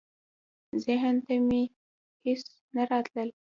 ذهن ته مي هیڅ نه راتلل .